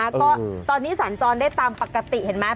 แล้วก็ตอนนี้สัญจรได้ตามปกติเห็นไหม